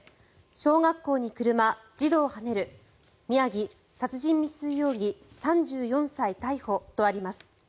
小学校に車、児童はねる宮城、殺人未遂容疑３４歳逮捕とあります。